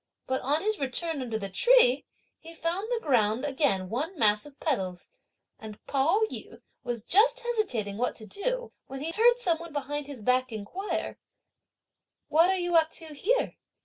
But, on his return under the tree, he found the ground again one mass of petals, and Pao yü was just hesitating what to do, when he heard some one behind his back inquire, "What are you up to here?"